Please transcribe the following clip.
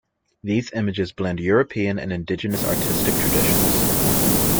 These images blend European and indigenous artistic traditions.